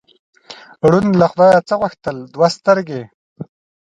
ړوند له خدایه څه غوښتل؟ دوه سترګې.